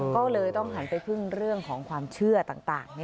ก็เลยต้องหันไปพึ่งเรื่องของความเชื่อต่าง